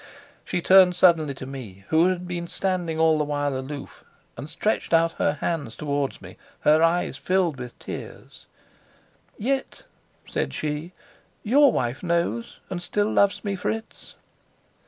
She turned suddenly to me, who had been standing all the while aloof, and stretched out her hands towards me, her eyes filled with tears. "Yet," said she, "your wife knows, and still loves me, Fritz."